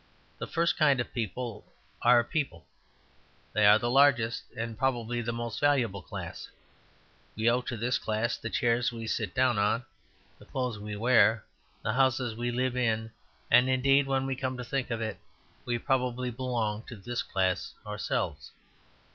The first kind of people are People; they are the largest and probably the most valuable class. We owe to this class the chairs we sit down on, the clothes we wear, the houses we live in; and, indeed (when we come to think of it), we probably belong to this class ourselves.